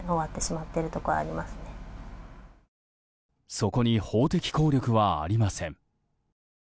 そこに法的効力はありません。